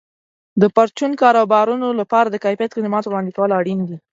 د پرچون کاروبارونو لپاره د کیفیت خدماتو وړاندې کول اړین دي.